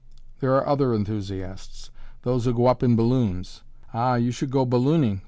There are other enthusiasts those who go up in balloons! "Ah, you should go ballooning!"